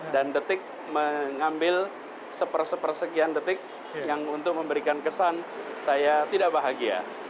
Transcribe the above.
dan detik mengambil sepersepersekian detik yang untuk memberikan kesan saya tidak bahagia